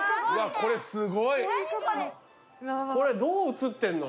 これどう映ってんの？